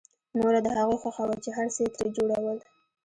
نوره د هغوی خوښه وه چې هر څه يې ترې جوړول.